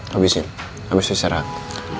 habisin habisin secara akut